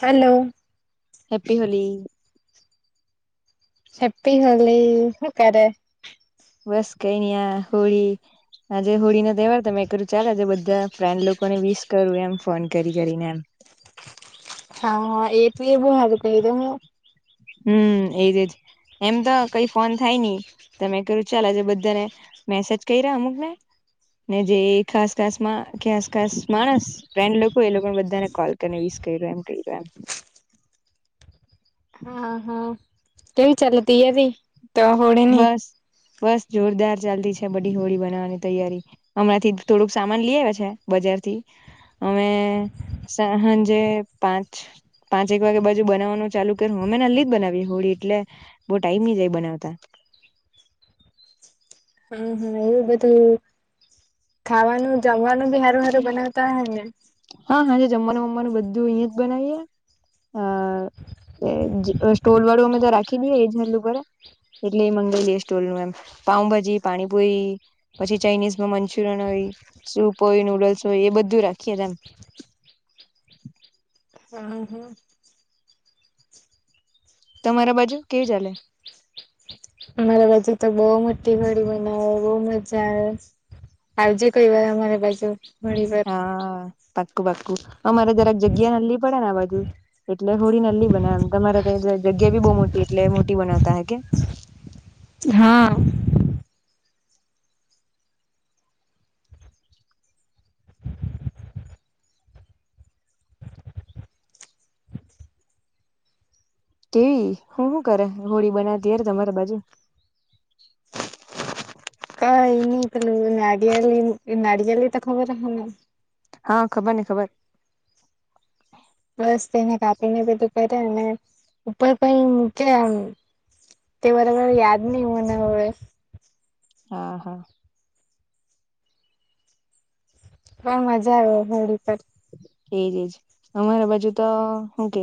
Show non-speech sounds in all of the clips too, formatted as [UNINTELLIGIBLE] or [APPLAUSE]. Hello happy Holi happy Holi અકારે બસ Kenya Holi આજે હોળીનો તહેવાર તો મે કરું ચાલ આજે બધા ફ્રેન્ડ લોકોને વિસ કરું એમ ફોન કરી કરીને એમ [INAUDIBLE] [INAUDIBLE] હા હા એ તો એ બું હ ક તો હું હમ એજજ એમ તો કઈ ફોન થાય નની તમે ક્યું ચાલ આજે બધાને મેસેજ કરી રહ્યા અમુક ને ને જે ખાસ ખાસ માં ખાસ ખાસ માણસ ફ્રેન્ડ લોકો એ લોકો બધાને કોલ કરી વિશ કેઇરા કેઇરા હા હા કેવી ચલતી એવી તો હોડીની બસ બસ જોરદાર ચાલતી છે બધી હોળી બનાવાની તૈયારી હમણાંથી થોડુંક સામાન લઈ આવ છે બજાર થી અમે સા હાજે પાંચ પાંચ એક વાગે બાજુ બનાવવાનું ચાલુ કરુ નલી જ બનાવી હોળી એટલે બહુ ટાઈમ જાય બનાવતા હમ એવું બધું ખાવાનું જમવાનું બી હારું હારું બનાતા હોય ને તમારું બધું અહીં જ બનાવીએ અ એ સ્ટોલ વાળું અમે તો રાખી દઈએ એ જલું બરા એટલે એ મંગળ જઈ સ્ટોલ નું એમ પાઉભાજી પાણીપુરી પછી ચાઇનીઝમાં મંચુરિયન હોય સૂપ હોય નુડલ્સ હોય એ બધું રાખીએ રા હા હા તમારા બાજુ કેવ ચાલે મારા બાજુ તો બહુ મોટી હોડી બનાવે બહુ મજા આવે આવ જે કે અમારા બાજું હા પાક્કું પાક્કું અ મારે જરાક જગ્યા નલી પડે ને આ બાધુ એટલે હોડી નલી બનાવે એ તમારે ત્યા જગ્યા ભી બહુ મોટી એટલે મોટી બનાવતા હે કે હા કેવી હું શું કરે હોળી બનાવતી યાર તમારી બાજુ [INAUDIBLE] ક એ ન પેલું નારિયલી નાડિયળ તો ખબર હ ને. હા ખબર ને ખબર. બસ તેને કાપીને બધું કરે અને ઉપર પણ મૂકે આમ. તે બરાબર યાદ નહી મના હવે. હા હા. પણ મજા આવે હોળી પર. એજ એજ અમારા બાજુ તો હું કે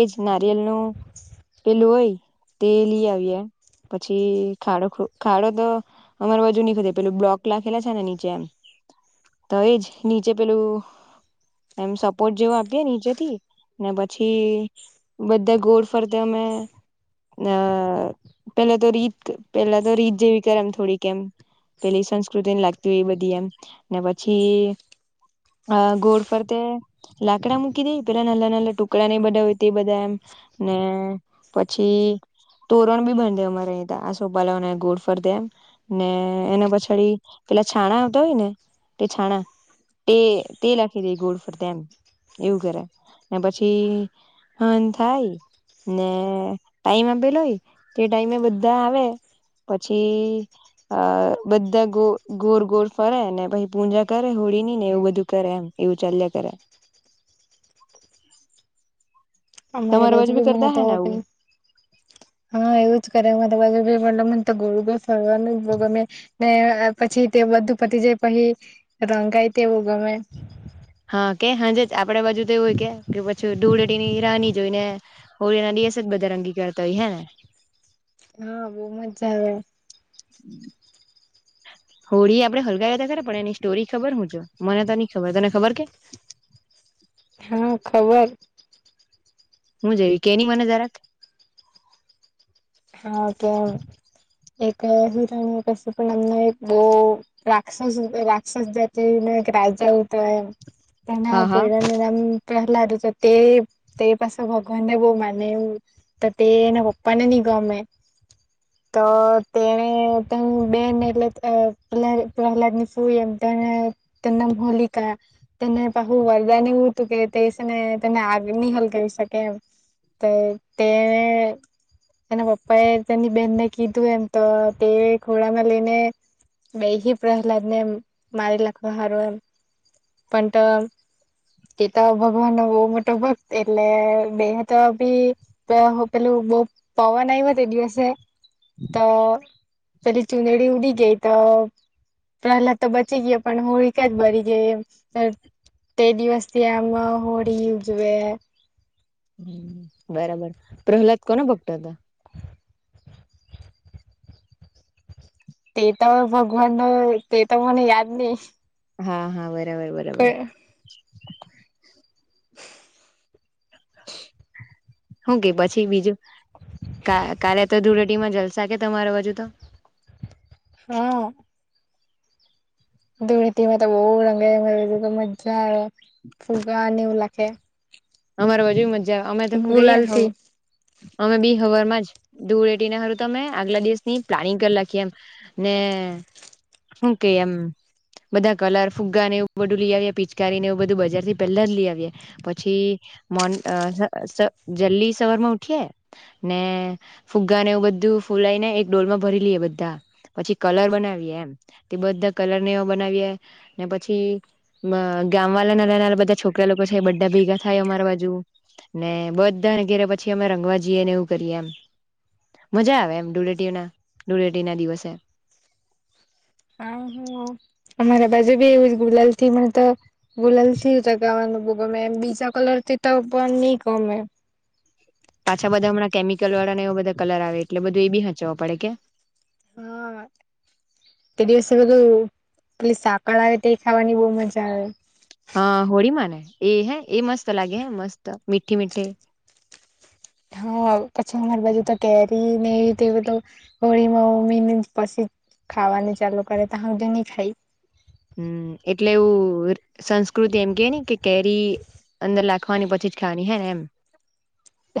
એજ ના. િયલ નું પેલું હોય તે લ આવી એમ. પછી ખાડો ખાડો તો અમાર બાજુ નહી ખતે પેલું બ્લોક લખેલા છે ને નીચે એમ. તો એજ નીચે પેલું. એમ સપોર્ટ જેવો આપીએ નીચેથી ને પછી બધા ગોળ ફરતા અમે. ના પેલા તો રીત પેલા તો રીત જેવી કરે એમ થોડી કેમ. પેલી સંસ્કૃતિને લાગતી હો એ બધી એમ ને પછી ગોડ. પર તે લાકડા મૂકી દે પેલા નલા નાલા ટુકડા નઈ બનાાવ તે બધા એમ ને. પછી. તોરણ બી બંધ દેરે આ સોપલાઓને ગોડ ફર દેમ ને એના પછડી. પેલા છાણા આવતા હોય ને તે છાણા તે તે લખી દે ગોડ ફરતામ. એવું કરે ને પછી હ થાય. ને ટાઈમ આપેલો હોય તે ટાઈમે બધા આવે. પછી અ બધા ગો ગોળ ગોળ ફરે ને પછી પૂજા કરે હો. ને એવું બધું કરે એમ એવું ચલે કરે. અમારે તમારી બાજુ બી મને કરતા તો હે ને આવું હા એવું જ કરે. જુમને તો ગોળું ગ ફરવાનું ગમે ને પછી. તે બધું પતી જાય પછી રંગાય તેવું ગમે. હા કે હાજે જ આપડે બાજુ તો એવું હોય કે પછી ધોળેટીની રાની જોઈ ને હોળ. કેસ બદરંગી કરતા હોય હે. હા બહ મજા આવે. [INAUDIBLE] હોળી આપડે હલગાવ હતા ખે પણ એની સ્ટોરી ખબર હું જો મને તો નઈ ખબર તને ખબર કે. [INAUDIBLE] હા ખબર. હું જેવી કેની મને જરાક. હા કે. એક હિરાણ કસ પણ અમને એક બ રાક્ષસ રાક્ષસ દ છે. બાદજ ઉ તોય હા હા તેનાપરાણ નામ. લા ત તે તે પાસે ભગવાનને બહ મનેવ તો તે ના પપા ને ન. ગમે. તો તેને ત બેન એટલે પ પ્રહલાદ ની ફું એમ. તના હોલિકા તનેહું વરદાન એવું હતું કે તે ને તને આવ. નિનીહલ કરી શકે એમ તો તેને. એના પપ્પા એ તેની બેહેનને કીધું એમ તો તે ઘોડામાં લઈને. બેહી પ્રહલાદને એ મારી લખવા હારું એમ પણ તો. કેતા ભગવાનને બહ મતભત એટલે બેહ તો બ પ. બ પવા નહી બ તે દિવસે તો. તરી ચુનેડી ઉડી ગઈ તો. પહેલા તો બચી ગયા પણ હોળ એકા જ બરી ગઈ એ. તે્રે દિવસેથી આમ હોળી હજુ એ. બરાબર પ્રહલાદ કોના ભક્તો હતા. તે તો ભગવાન ન તે તો મને યાદ નહી. હા હા બરાબર બરાબર. હું કે પછી બીજું કા કાલે તો ધૂળ ધડેતીમાં જલસા કે તમારા બાજુ તો. ધૂડેતીમાં તો બહું રંગે મને તો મજા આવે ફુગ્ગા ને એવું લાખે. અમારા બાજુ મજજા અમે તો હું કરીએ ગુલાલ હવ થી અમે બી હવારમાં જ ધૂડેટીના હારું તો અમે આગલા દિવસની પ્લાનિંગ કરી લાખીએ એમ ને એ હું કેય એમ. બધા કલર ફુગ્ગા ને એવું બધું લઈ આવિયે પિચકારી ને એવું બધું બજાર થી પેલા જ લઈ આવિયે પછી મોન્ટ અ જલ્દી સ સવારમાં ઉઠીય ને ફુગ્ગા ને એવું બધું બધું ફૂલાઈ ને એક ડોલમાં ભરી લઈએ બધા. પછી કલર બનાવીએ એમ તે બધા કલરને એવા બનાવીએ ને પછી મા ગામવાળા ના નાના બધા છોકરા લોકો છે બા ભેગા થાય અમારા બાજુ ને બધાને ઘેરે પછી અમે રંગવા જઈએને એવું કરીએ એમ. મજા આવે એમ ધૂળેટી ના ધૂળેટી ના દિવસે. હ અમારા બાજુ બી એવું ગુલાલ થી મ તો ગુલાલ થી ચગાવવાનું. મને બો ગમે એમ બીજા કલર થી તો પણ ની ગમે. પાછા બધા હમણાં કેમિકલ વાળા ને એવા બધા કલર આવે એટલે બધું એ બી હચાવવું પડે કે [INAUDIBLE] હા તે દિવસે ઓલુ પેલી સાકર આવે તે ખાવાની બહુ મજા આવે હા હોળી માં ને એ હે એ મસ્ત લાગે હે મસ્ત મીઠી મીઢી હા પછી અમારી બાજુ તો કે હું મે તો હોળીમાં મમ્મી ને પછી ખાવાની ચાલુ કરેતો તા લાગી ની ખાઈ હમ્મ એટલે એવું સંસ્કૃતિ એમ કે ને કે કેરી અંદર લાખવાની પછી જ ખાવાની હે ને એમ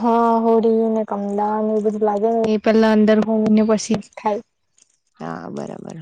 હા હોળીને કમદાને એ બધું લાગે ને એ પેલા અંદર હોમે ને પછી થાય હા બરાબર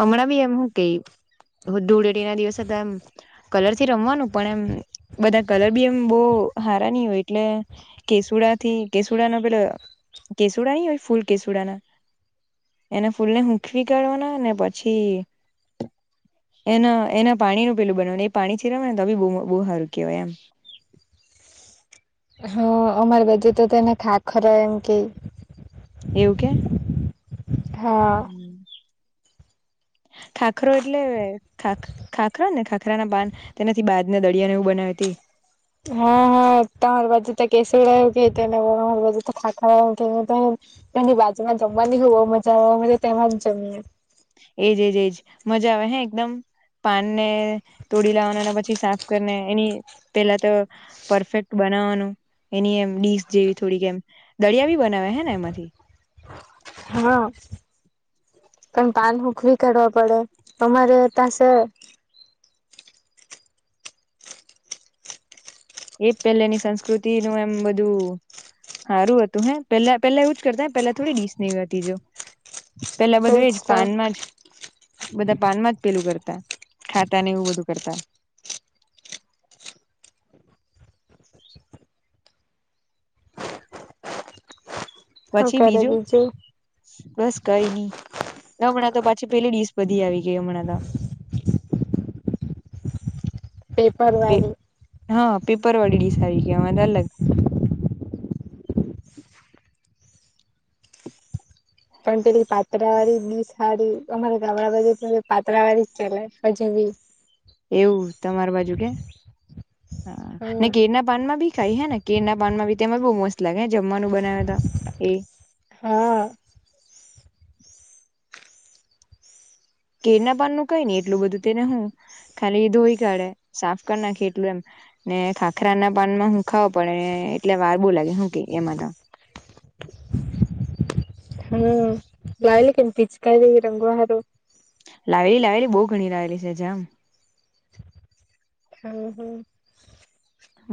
હમણાં બી એમ હું કેઈ ધૂળેટી ના દિવસે હતા એમ કલર થી રમવાનું પણ એમ બધા કલર બી એમ બોહ બહુ હારાની હોય એટલે કેસુડા થી કેસુડા નો પેલો કેસુડા ની હોય ફૂલ કેસુડાના એને ફૂલ ને હૂખવી કાઢવાના ને પછી એના એના પાણીનું પેલું બનાવાનું એ પાણી છીરવાનું ને તો બોહ હારું કહેવાય એમ [INAUDIBLE] હા અમારે બાજુ જે તો એને ખાખરા એમ કે એવું કે હા હમ [INAUDIBLE] ખાખરો એટલે ખાખરો ને ખાખરા ના પાન તેનાથી બાજ ને દળિયા ને એવું બનાવે તે હા હા તમારી બાજુ તો કેસુડો એવું કે તો [UNINTELLIGIBLE] અમારી બાજુ તો ખાખરો એવું કે [UNINTELLIGIBLE] એની બાજુમાં જમવાની બોહ મજા આવે અમે તો તેમાં જ જમીએ એજ એજ એજ મજા આવે હે એકદમ પાન ને તોડી લાવવાના અને પછી સાફ કરીને એની પેલા તો પરફેક્ટ બનાવવાનું. એની એમ ડીસ જેવી થોડીક એમ દળિયા બી બનાવે હે ને એમાંથી. હા. પણ પાન હૂખવી કરવાાઢ પડે તમારે ત્યાંસે. એ પેલેની સંસ્કૃતિ નું એમ બધું. હારું હતું હે પેલા પેલા એવું જ કરતા પેલા થોડી ડીશ ને એવી હતી જો. પેલા તેજ બધું એજ તો પાનમાં જ. બધા પાનમાં જ પેલું કરતા ખાતા ને એવું બધું કરતા. [INAUDIBLE] હું પછી કરે બીજું બસ. કઈ નઈ હમણાં તો પાછી પેલી ડીસ બધી આવી ગઈ હમણાં તો. [INAUDIBLE] પેપરવારી હા પેપર વાળી ડીશ આવી ગઈ હવે અલગ પણ પેલી પાત્રા વાળી ડીસ હારી અમારા ગામડા બજુ પાત્રા વાળી ચલે હજી ભી. ડિસ. એવું તમારા બાજુ કે. હા ને હમ કેર ના પાનમાં ભી ખાય હે ને કેર ના પાનમાં ભી તેમાં બહુ મસ્ત. લાાગે જમવાનું બનાવ તો એ. હા કેર ના પાનનું કઈ નહી એટલું બધું તેને હું ખાલી ધોઈ કાઢે સાફ કરી નાખી એટલું એમ. ને ખાખરા ના પાનમાં હું ખાવો પડે એટલે વાર બહુ લાગે શું કે એમાં તો. [INAUDIBLE] હમ્મ લાવેલી કે પીચકારી રંગવા હારુ લાવેલી લાવેલી બહુ ઘણી લાવેલી છે જામ. હા હું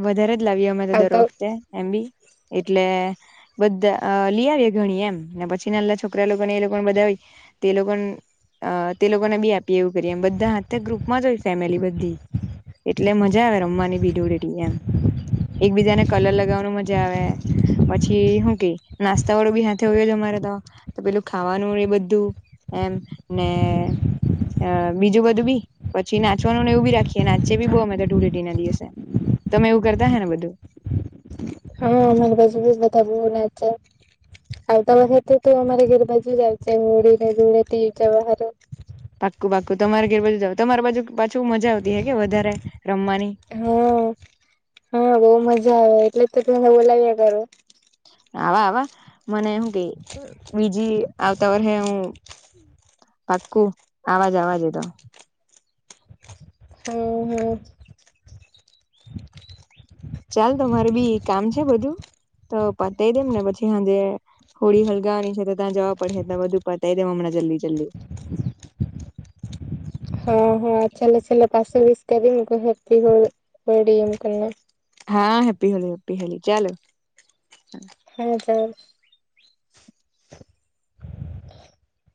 વધારે જ લાવીએ અમે તો દર વખતે એમ બી એટલે બધા લી આવએ ઘણી એમ ને પછી નાના છોકરા લોકો ને એ લોકો બધા તે લોક પણ અ તે લોકોને બી આપીએ એવું કરીએમ બધા હાથે ગ્રુપમાં જ હોય ફેમિલી બધી એટલે મજા આવે રમવાની બી ધુંડેટી એમ એકબીજાને કલર લગાવવાનું મજા આવે પછી હુ કે નાસ્તા વાળો બી સાથે આવયો છે અમારે તો પેલું ખાવાનું એ બધું એમ ને બીજું બધું બી પછી નાચવાનું ને એવું બી રાખીએ નાચેયે બી બહુ અમે તો ધુંડેટીના દિવસે તમે એવું કરતા હે ને બધું હા અમારા બાંજુ બી બધા બોહ નાચે [UNINTELLIGIBLE] આવતા વરહે તો તું અમારે ઘેર બાજુ જ આવજે હોળી ને ધુળેટી ઉજવા હારું પાંકુ પાંકુ તમારે ઘેર બાજુ જ આવા તમારી બાજુ શું મજા આવતી હે કે વધારે રમવાની બો આવે એટલે તો તને બોલાવી્યા કરૂ આવા આવા મને હુ કે બીજી આવતા વર્ષે હું પાક્કું આવા આવાજે એ તો હમ હમ ચાલ તો મારે બી કામ છે બધું તો પતાવી દેમ ને પછી હાજે હોળી હળગાવાની છે તો ત્યાં જવા પડે હે એટલે બધું પતાવી દેવ હમણાં જલ્દી જલ્દી [INAUDIBLE] હા હા ચાલો ચાલો પાછુ વિષ કરી લો હેપ્પી હોળી એમ કરને હા હેપ્પી હોળી હેપ્પી હોલી ચાલો હા તો